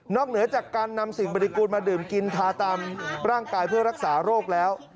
เหนือจากการนำสิ่งบริกูลมาดื่มกินทาตามร่างกายเพื่อรักษาโรคแล้ว